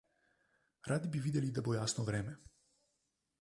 Radi bi videli, da bo jasno vreme.